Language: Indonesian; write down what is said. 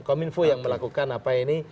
kominfo yang melakukan apa ini